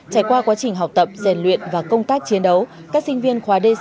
trải qua quá trình học tập rèn luyện và công tác chiến đấu các sinh viên khóa d sáu